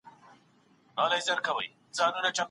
دین دارې ښځې باید له پامه ونه غورځول سي.